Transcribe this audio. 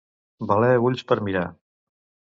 Valer ulls per mirar.